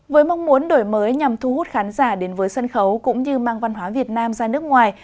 với mong muốn đổi mới nhằm thu hút khán giả đến với sân khấu cũng như mang văn hóa việt nam ra nước ngoài